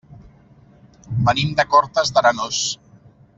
Venim de Cortes d'Arenós.